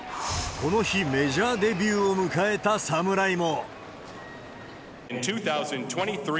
この日、メジャーデビューを迎えた侍も。